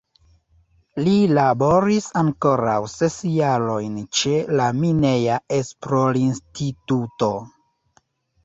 Li laboris ankoraŭ ses jarojn ĉe la Mineja Esplorinstituto.